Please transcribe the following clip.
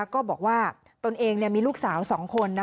ก็บอกว่าตนเองมีลูกสาว๒คน